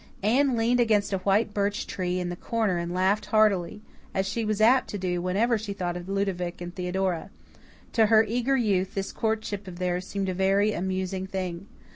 Anne leaned against a white birch tree in the corner and laughed heartily, as she was apt to do whenever she thought of Ludovic and Theodora. To her eager youth, this courtship of theirs seemed a very amusing thing.